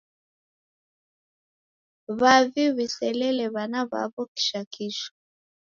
W'avi w'iselele w'ana w'aw'o kishakisha.